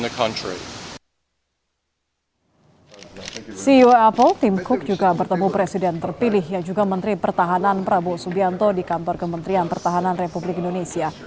ceo apple tim cook juga bertemu presiden terpilih yang juga menteri pertahanan prabowo subianto di kantor kementerian pertahanan republik indonesia